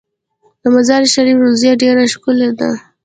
د مزار شریف روضه ډیره ښکلې ده